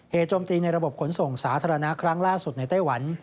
โจมตีในระบบขนส่งสาธารณะครั้งล่าสุดในไต้หวัน